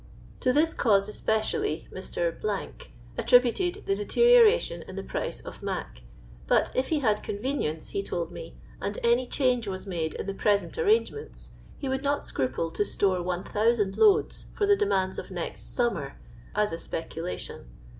To this cause especially Mr. attributed the deterioration in the price of " mac," but if he had convenience, he told me, and any change was made in the present arrangements, he would not scruple to store lOOO loads for the de mands of next summer, as a speculation.